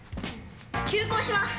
急行します